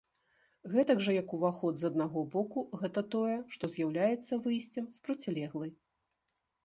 Гэтак жа як уваход з аднаго боку гэта тое, што з'яўляецца выйсцем з процілеглай.